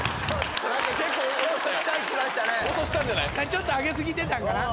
ちょっと上げ過ぎてたんかな。